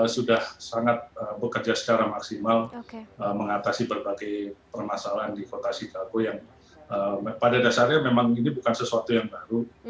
sudah sangat bekerja secara maksimal mengatasi berbagai permasalahan di kota chicago yang pada dasarnya memang ini bukan sesuatu yang baru